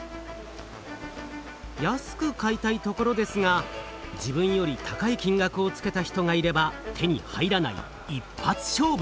安く買いたいところですが自分より高い金額をつけた人がいれば手に入らない一発勝負。